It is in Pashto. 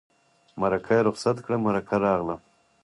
مرکه یې رخصت کړه مرکه راغله.